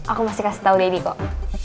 aku pasti kasih tau daddy kok